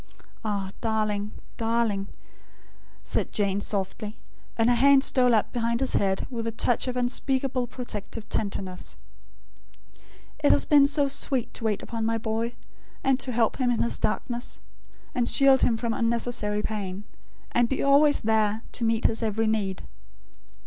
"Ah, darling, darling," said Jane softly, and her hands stole up behind his head, with a touch of unspeakable protective tenderness; "it has been so sweet to wait upon my boy; and help him in his darkness; and shield him from unnecessary pain; and be always there, to meet his every need.